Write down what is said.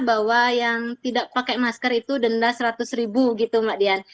bahwa yang tidak pakai masker itu denda seratus ribu gitu mbak dian